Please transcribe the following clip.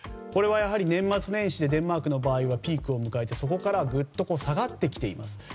これは年末年始でデンマークの場合はピークを迎えてそこからぐっと下がっています。